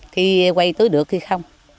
khi quay tưới được thì không